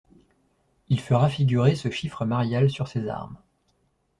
Il fera figurer se chiffre marial sur ses armes.